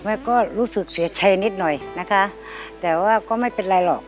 ก็รู้สึกเสียใจนิดหน่อยนะคะแต่ว่าก็ไม่เป็นไรหรอก